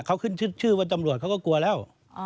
เขาขึ้นชื่อว่าตำรวจเขาก็กลัวแล้ว